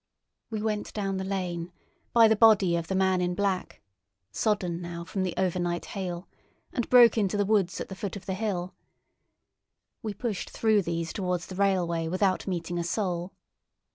We went down the lane, by the body of the man in black, sodden now from the overnight hail, and broke into the woods at the foot of the hill. We pushed through these towards the railway without meeting a soul.